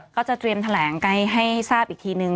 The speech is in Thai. ก็จะเตรียมแถลงให้ทราบอีกทีนึง